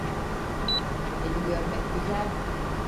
Seni görmek güzel.